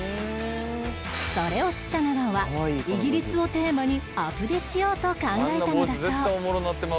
それを知った長尾はイギリスをテーマにアプデしようと考えたのだそう